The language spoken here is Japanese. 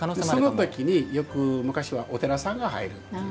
その時によく昔はお寺さんが入るっていう。